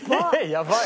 やばい！